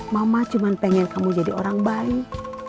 mama cuma pengen kamu jadi orang bali